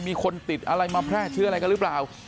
มีคนติดอะไรมาแพร่เชื้ออะไรกันหรือเปล่า